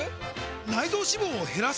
内臓脂肪を減らす！？